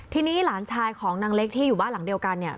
ทีนี้หลานชายของนางเล็กที่อยู่บ้านหลังเดียวกันเนี่ย